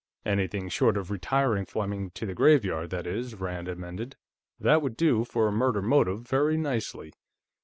"Anything short of retiring Fleming to the graveyard, that is," Rand amended. "That would do for a murder motive, very nicely....